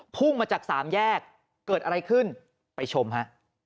พุ่งมาจากสามแยกเกิดอะไรขึ้นไปชมฮะ